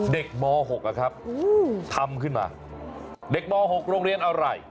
ม๖นะครับทำขึ้นมาเด็กม๖โรงเรียนอะไร